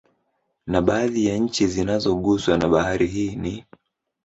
Na baadhi ya nchi zinazoguswa na Bahari hii ni